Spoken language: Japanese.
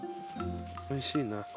おいしいな。